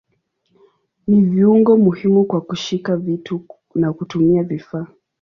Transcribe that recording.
Ni viungo muhimu kwa kushika vitu na kutumia vifaa.